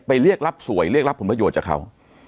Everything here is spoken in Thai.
เรียกรับสวยเรียกรับผลประโยชน์จากเขา